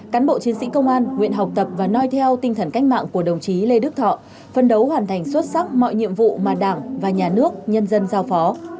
cán bộ chiến sĩ công an nguyện học tập và nói theo tinh thần cách mạng của đồng chí lê đức thọ phân đấu hoàn thành xuất sắc mọi nhiệm vụ mà đảng và nhà nước nhân dân giao phó